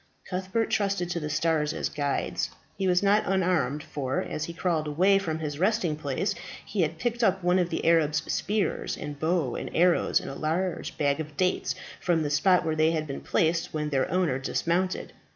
Cuthbert trusted to the stars as guides. He was not unarmed, for as he crawled away from his resting place, he had picked up one of the Arabs' spears and bow and arrows, and a large bag of dates from the spot where they had been placed when their owner dismounted.